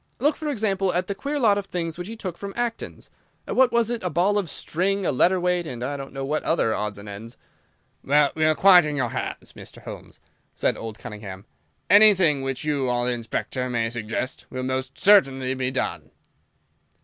Look, for example, at the queer lot of things which he took from Acton's—what was it?—a ball of string, a letter weight, and I don't know what other odds and ends." "Well, we are quite in your hands, Mr. Holmes," said old Cunningham. "Anything which you or the Inspector may suggest will most certainly be done."